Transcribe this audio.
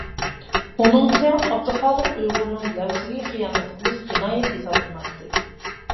ئۇنىڭچە ئابدۇخالىق ئۇيغۇرنىڭ لەۋزىگە خىيانەت قىلىش جىنايەت ھېسابلىناتتى.